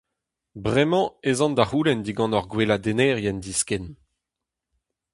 Bremañ ez an da c'houlenn digant hor gweladennerien diskenn.